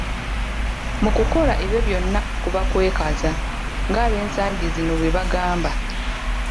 Mu kukola ebyo byonna, kuba kwekaza, nga ab'ensangi zino bwebagamba.